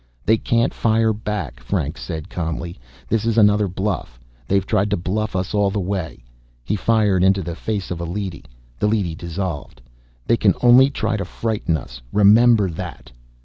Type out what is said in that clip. "They can't fire back," Franks said calmly. "This is another bluff. They've tried to bluff us all the way." He fired into the face of a leady. The leady dissolved. "They can only try to frighten us. Remember that."